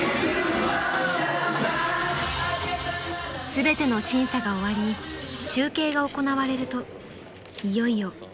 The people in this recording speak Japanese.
［全ての審査が終わり集計が行われるといよいよ各部門の発表です］